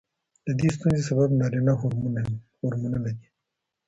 د دې ستونزې سبب نارینه هورمونونه دي.